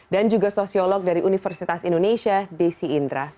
dan juga sosiolog dari universitas indonesia desi indra